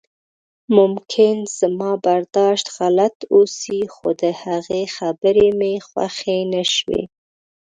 ممکن زما برداشت غلط اوسي خو د هغې خبرې مې خوښې نشوې.